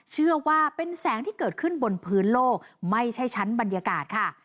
เชื่อว่าเป็นแสงที่เกิดขึ้นบนพื้นโลกไม่ใช่ชั้นบรรยากาศค่ะ